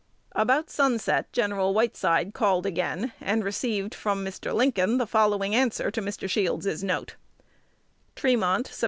About sunset Gen. Whiteside called again, and received from Mr. Lincoln the following answer to Mr. Shields's note: Tremont, Sept.